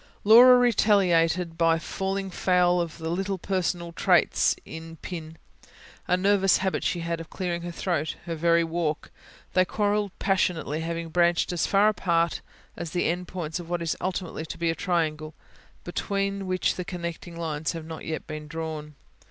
Laura retaliated by falling foul of little personal traits in Pin: a nervous habit she had of clearing her throat her very walk. They quarrelled passionately, having branched as far apart as the end points of what is ultimately to be a triangle, between which the connecting lines have not yet been drawn.